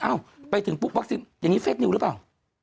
ไปถึงปุ๊บวัคซีนอย่างนี้เฟคนิวหรือเปล่า